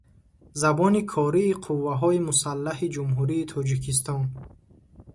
Забони кории Қувваҳои Мусаллаҳи Ҷумҳурии Тоҷикистон